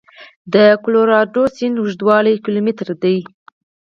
د کلورادو سیند اوږدوالی کیلومتره دی.